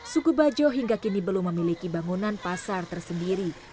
suku bajo hingga kini belum memiliki bangunan pasar tersendiri